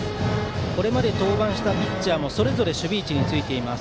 これまで登板したピッチャーもそれぞれ守備位置についています。